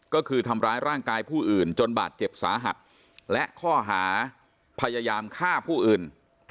ก็คือทำร้ายร่างกายผู้อื่นจนบาดเจ็บสาหัสและข้อหาพยายามฆ่าผู้อื่น